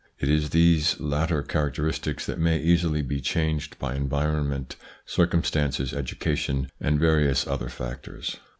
It is these latter characteristics that may easily be changed by environment, circumstances, education and various other factors.